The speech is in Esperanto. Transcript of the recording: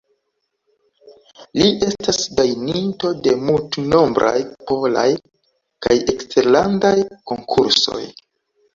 Li estas gajninto de multnombraj polaj kaj eksterlandaj konkursoj.